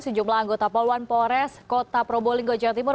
sejumlah anggota poluan polres kota probolinggo jawa timur